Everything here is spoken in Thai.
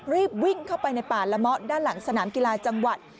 รีบวิ่งเข้าไปในป่าละเมาะด้านหลังสนามกีฬาจังหวัด